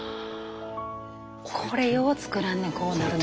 これよう作らんねこうなるの。